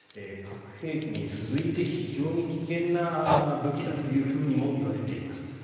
核兵器に続いて非常に危険な武器だともいわれています。